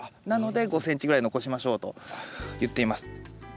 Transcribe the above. なので５ｃｍぐらい残しましょうと言っています。